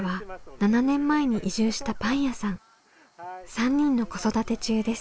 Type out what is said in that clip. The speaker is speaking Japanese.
３人の子育て中です。